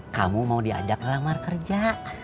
kamu mau diajak ke lamar kerja